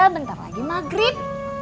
bentar lagi maghrib